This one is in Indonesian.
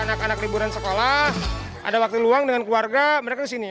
anak anak liburan sekolah ada waktu luang dengan keluarga mereka kesini